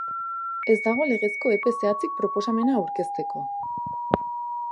Ez dago legezko epe zehatzik proposamena aurkezteko.